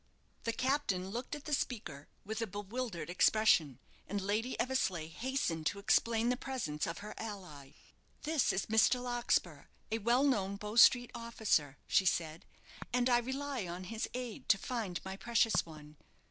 The captain looked at the speaker with a bewildered expression, and Lady Eversleigh hastened to explain the presence of her ally. "This is Mr. Larkspur, a well known Bow Street officer," she said: "and I rely on his aid to find my precious one.